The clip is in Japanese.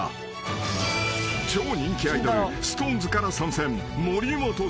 ［超人気アイドルＳｉｘＴＯＮＥＳから参戦］